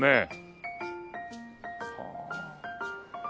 はあ。